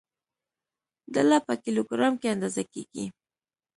ډله په کیلوګرام کې اندازه کېږي.